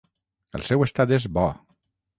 El seu estat és bo.